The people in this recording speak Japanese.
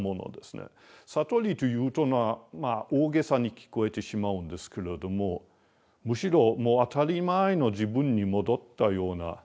悟りと言うとまあ大げさに聞こえてしまうんですけれどもむしろもう当たり前の自分に戻ったような。